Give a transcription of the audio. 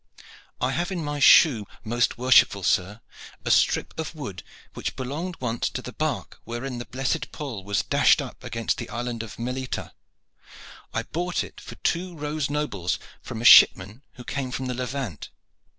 "I have in my shoe, most worshipful sir, a strip of wood which belonged once to the bark wherein the blessed Paul was dashed up against the island of Melita. I bought it for two rose nobles from a shipman who came from the Levant.